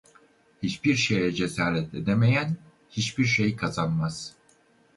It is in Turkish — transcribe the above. Hiçbir şeye cesaret edemeyen hiçbir şey kazanmaz.